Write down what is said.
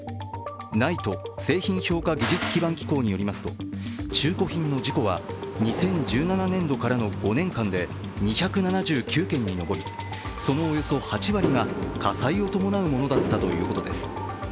ＮＩＴＥ＝製品評価技術基盤機構によりますと、中古品の事故は２０１７年度からの５年間で２７９件に上りそのおよそ８割が火災を伴うものだったということです。